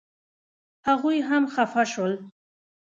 هغوی هم خپه شول.